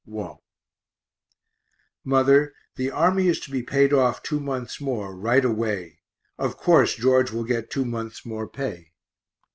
WALT. Mother, the army is to be paid off two months more, right away. Of course George will get two months more pay.